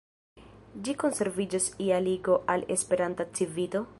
Ĉu konserviĝos ia ligo al la Esperanta Civito?